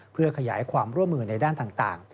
เพื่อขยายความร่วมมือในด้านต่าง